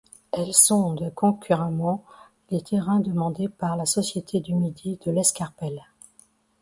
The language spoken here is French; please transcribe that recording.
Elle sonde concurremment les terrains demandés par la Société du Midi de l'Escarpelle.